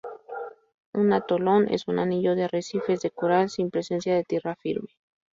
Un atolón es un anillo de arrecifes de coral, sin presencia de tierra firme.